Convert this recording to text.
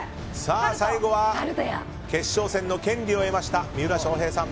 最後は決勝戦の権利を得ました三浦翔平さん。